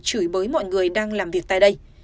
chửi bới mọi người đang làm việc tại đây